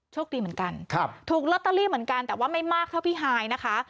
โชคดีเหมือนกันถูกลอตเตอรี่เหมือนกันแต่ว่าไม่มากเท่าพี่ฮายนะคะ